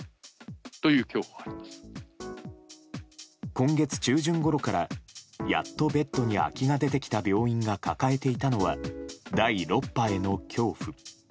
今月中旬ごろからやっと、ベッドに空きが出てきた病院が抱えていたのは第６波への恐怖。